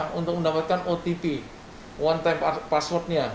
kita mendapatkan otp one time password nya